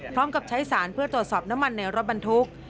พร้อมกับใช้สารเพื่อตรวจสอบน้ำมันในรถบรรทุก